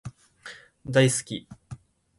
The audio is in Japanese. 大好き